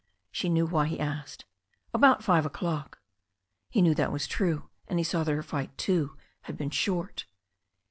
She knew why he asked. "About five o'clock." He knew that was true, and he saW that her fight, too, had been short.